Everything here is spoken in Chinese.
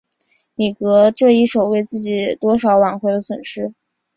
米格这一手为自己多少挽回了损失。